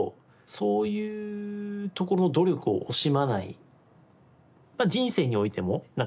そういうとこの努力を惜しまない。